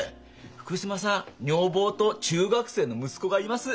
福島さ女房と中学生の息子がいます。